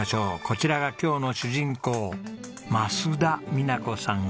こちらが今日の主人公増田美奈子さん